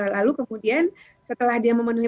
lalu kemudian setelah dia memenuhi